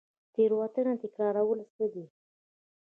تیروتنه تکرارول څه دي؟